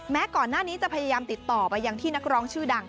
ก่อนหน้านี้จะพยายามติดต่อไปยังที่นักร้องชื่อดัง